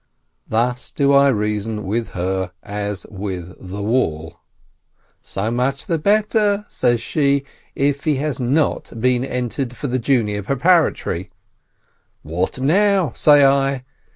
Thus do I reason with her as with the wall. "So much the better," says she, "if he has not been entered for the Junior Preparatory." — "What now ?" say I.